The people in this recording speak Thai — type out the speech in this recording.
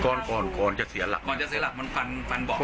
ก่อนก่อนจะเสียหลักก่อนจะเสียหลักมันฟันฟันเบาะ